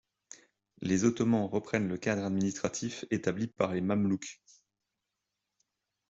Les Ottomans reprennent le cadre administratif établi par les Mamelouks.